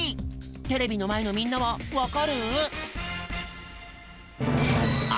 テレビのまえのみんなはわかる？